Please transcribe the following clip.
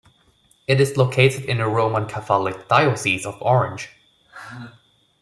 It is located in the Roman Catholic Diocese of Orange.